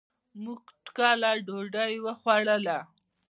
مونږ ټکله ډوډي وخوړله.